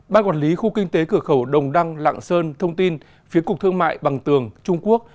ban quản lý khu kinh tế cửa khẩu đồng đăng lạng sơn thông tin phía cục thương mại bằng tường trung quốc